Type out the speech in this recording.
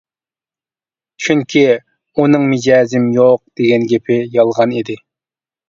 چۈنكى ئۇنىڭ مىجەزىم يوق دېگەن گېپى يالغان ئىدى.